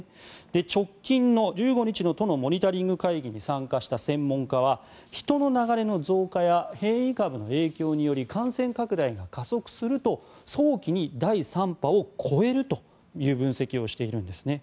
直近の１５日の都のモニタリング会議に参加した専門家は人の流れの増加や変異株の影響により感染拡大が加速すると早期に第３波を超えるという分析をしているんですね。